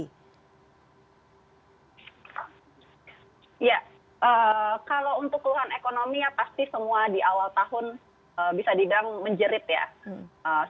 ya kalau untuk keluhan ekonomi ya pasti semua di awal tahun bisa dibilang menjerit ya